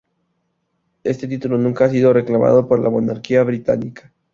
Este título nunca ha sido reclamado por la Monarquía Británica.